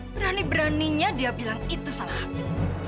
berani beraninya dia bilang itu salah aku